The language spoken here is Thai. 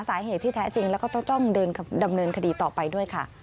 กะเหลี่ยงพม่าครับ